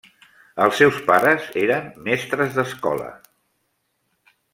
Els seus pares eren mestres d'escola.